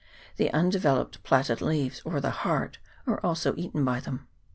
The undeveloped plaited leaves, or the heart, are also eaten by them.